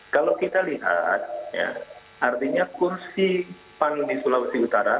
kalau kita lihat artinya kursi pan di sulawesi utara